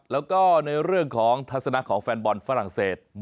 แล้วก็ในเรื่องถักสนักให้แฟนบอลฝรั่งเศส